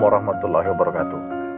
wa rahmatullahil barakatuh